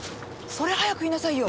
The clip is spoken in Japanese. それ早く言いなさいよ。